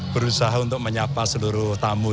berusaha untuk menyapa seluruh tamu